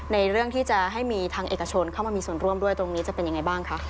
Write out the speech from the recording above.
ในเรื่องที่จะให้มีทางเอกชนเข้ามามีส่วนร่วมด้วยตรงนี้จะเป็นยังไงบ้างคะ